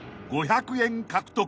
５００円獲得］